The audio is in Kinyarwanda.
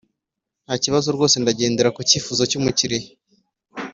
ntakibazo rwose ndagendera kucyifuzo cyumukiriya